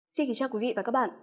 xin kính chào quý vị và các bạn